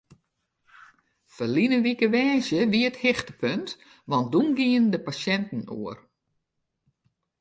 Ferline wike woansdei wie it hichtepunt want doe gienen de pasjinten oer.